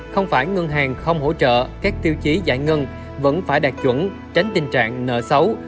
không phải ngân hàng không hỗ trợ các tiêu chí giải ngân vẫn phải đạt chuẩn tránh tình trạng nợ xấu